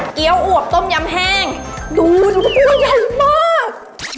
เกี๊ยวอวบต้มยำแห้งดูดูกระปูกใหญ่มาก